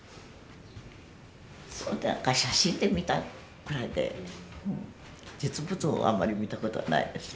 写真で見たくらいで実物をあんまり見たことはないです。